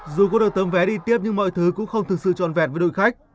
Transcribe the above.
dù có được tấm vé đi tiếp nhưng mọi thứ cũng không thực sự trọn vẹn với đội khách